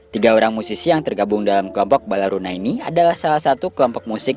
tiga orang musisi yang tergabung dalam kelompok balaruna ini adalah salah satu kelompok musik